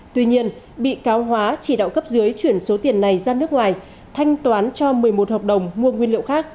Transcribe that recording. tuy nhiên bị cáo hóa chỉ đạo cấp dưới chuyển số tiền này ra nước ngoài thanh toán cho một mươi một hợp đồng mua nguyên liệu khác